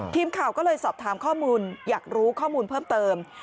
ทีมข่าวก็เลยสอบถามข้อมูลอยากรู้ข้อมูลเพิ่มเติม